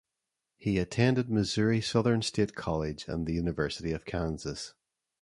He attended Missouri Southern State College and the University of Kansas.